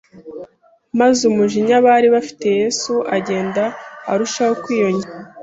maze umujinya bari bafitiye Yesu ugenda urushaho kwiyongera